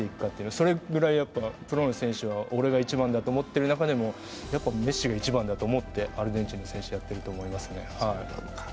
それぐらいプロの選手は俺が一番と思っている中でもメッシが一番だと思ってアルゼンチンの選手はやっていると思いますね。